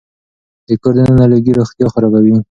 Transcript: د کور دننه لوګي روغتيا خرابوي.